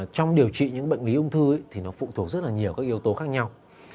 trong điều trị những bệnh lý ung thư nó phụ thuộc rất nhiều các yếu tố khác nhau